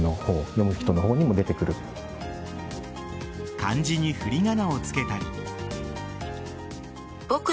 漢字にふりがなをつけたり。